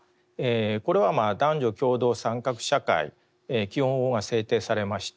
これは男女共同参画社会基本法が制定されまして